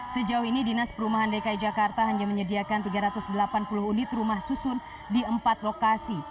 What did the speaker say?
sejauh ini dinas perumahan dki jakarta hanya menyediakan tiga ratus delapan puluh unit rumah susun di empat lokasi